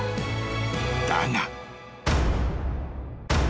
［だが］